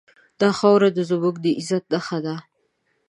دا خاوره زموږ د عزت نښه ده.